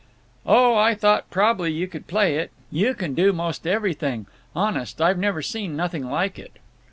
"Oh, I thought prob'ly you could play it. You can do 'most everything. Honest, I've never seen nothing like it."